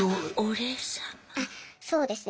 そうですね。